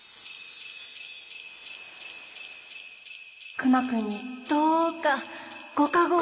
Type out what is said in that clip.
熊くんにどうかご加護を。